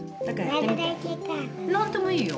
何でもいいよ。